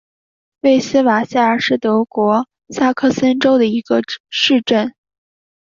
魏斯瓦塞尔是德国萨克森州的一个市镇。